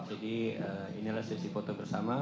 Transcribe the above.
jadi inilah sesi foto bersama